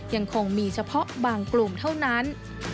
ยังคงมีเฉพาะบางกลุ่มเท่านั้น